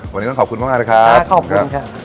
วันนี้ขอบคุณมากครับค่ะขอบคุณค่ะ